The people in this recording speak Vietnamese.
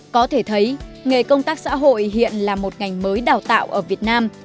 có thể thấy nghề công tác xã hội hiện là một ngành mới đào tạo ở việt nam